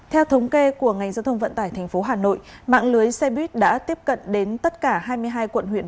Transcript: theo thống kê của ngành giao thông vận tải tp hà nội mạng lưới xe buýt đã tiếp cận đến tất cả hai mươi hai quận huyện